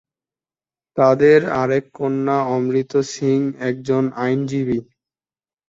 তাদের আরেক কন্যা অমৃত সিং একজন আইনজীবী।